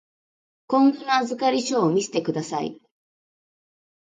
今後の預かり証を見せてください。